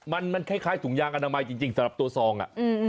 มันคล้ายถุงยางอนามัยจริงสำหรับตัวซอง